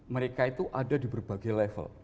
mereka itu ada di berbagai level